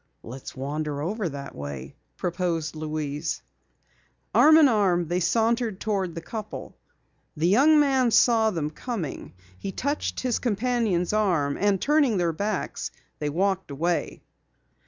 "Let's wander over that way," proposed Louise. Arm in arm, they sauntered toward the couple. The young man saw them coming. He touched his companion's arm and, turning their backs, they walked away.